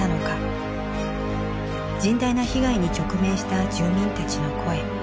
甚大な被害に直面した住民たちの声。